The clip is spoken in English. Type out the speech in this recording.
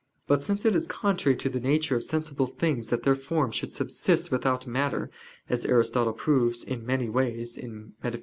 But since it is contrary to the nature of sensible things that their forms should subsist without matter, as Aristotle proves in many ways (Metaph.